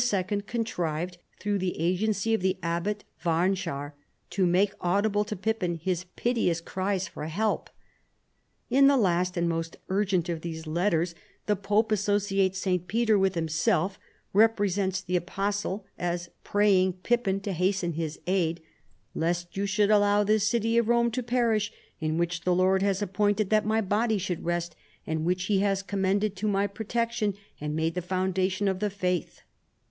contrived, through the agency of the abbot AVai nehar, to make audible to Pippin his piteous cries for help. In the last and most urgent of these letters the pope associates St. Peter with himself, represents the Apostle as praying Pippin to hasten his aid, " lest you should allow this city of Rome to perish in which the Lord has appointed that my body should rest, and which He has com mended to my protection and made the foundation of the faith."